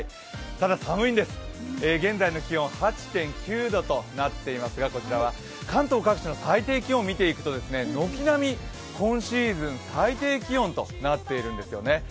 ただ、寒いんです、現在の気温８．９度となっていますが、関東各地の最低気温を見ていきますと軒並み、今シーズン最低気温となっているんですよね。